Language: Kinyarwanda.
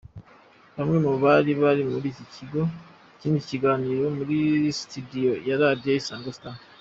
Bamwe mu bari bari muri iki kiganiro muri Studio ya Radio Isango Star.